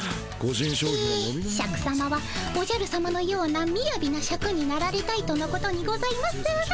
えシャクさまはおじゃるさまのようなみやびなシャクになられたいとのことにございますが。